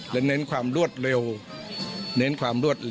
และเน้นความรวดเร็ว